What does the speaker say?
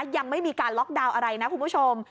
ยังไม่มีการล็อกดาวน์อะไรนะคุณผู้ชม